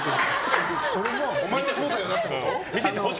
お前はそうだよなってこと？